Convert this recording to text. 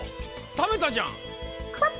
食べたじゃん！